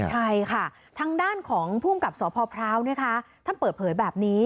ใช่ค่ะทางด้านของภูมิกับสพพร้าวท่านเปิดเผยแบบนี้